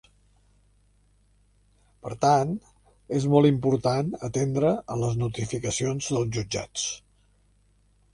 Per tant, és molt important atendre a les notificacions dels jutjats.